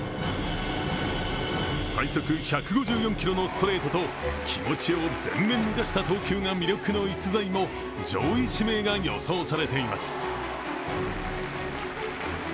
最速１５４キロのストレートと気持ちを前面に出した投球が魅力の逸材も上位指名が予想されています。